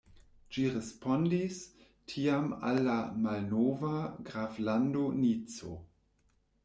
Ĝi respondis tiam al la malnova graflando Nico.